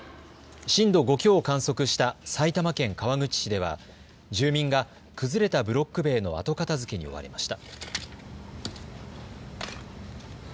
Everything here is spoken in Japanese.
震度５強を観測した埼玉県川口市では住民が崩れたブロック塀の後片づけに追われました。